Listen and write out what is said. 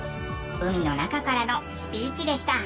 海の中からのスピーチでした。